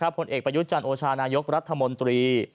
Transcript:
ผลเอกประยุทธ์จันทร์โอชานายกรัฐมนตรี